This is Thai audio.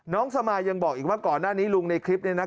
สมายังบอกอีกว่าก่อนหน้านี้ลุงในคลิปนี้นะ